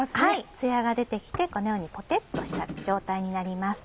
ツヤが出て来てこのようにぽてっとした状態になります。